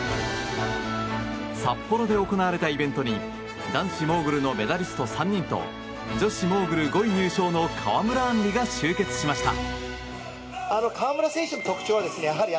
札幌で行われたイベントに男子モーグルのメダリスト３人と女子モーグル５位入賞の川村あんりが集結しました。